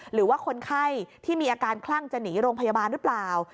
หรือว่าคนไข้ที่มีอาการคลั่งจะหนีโรงพยาบาลหรือเปล่า